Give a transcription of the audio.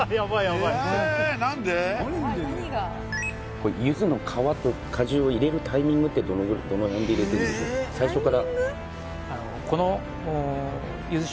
これゆずの皮と果汁を入れるタイミングってどの辺で入れてるんでしょうか？